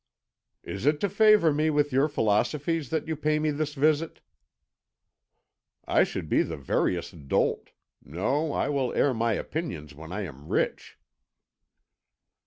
"Is it to favour me with your philosophies that you pay me this visit?" "I should be the veriest dolt. No, I will air my opinions when I am rich."